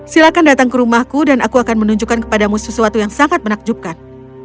silahkan datang ke rumahku dan aku akan menunjukkan kepadamu sesuatu yang sangat menakjubkan